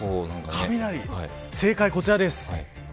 正解はこちらです。